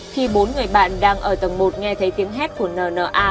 khi bốn người bạn đang ở tầng một nghe thấy tiếng hét của n n a